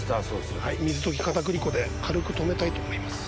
水溶き片栗粉で軽くとめたいと思います。